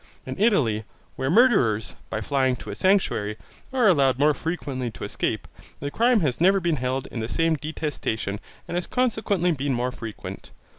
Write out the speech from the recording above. In Italy, where murderers, by flying to a sanctuary, are allowed more frequently to escape, the crime has never been held in the same detestation and has consequently been more frequent.